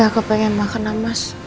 aku pengen makan namas